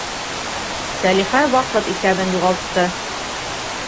Сәлихә ваҡыт иҫәбен юғалтты.